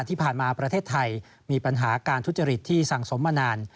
ที่ผ่านมาประเทศไทยมีปัญหาการทุจริตที่สั่งสมมานาน